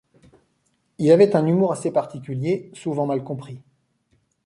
Il avait un humour assez particulier, souvent mal compris.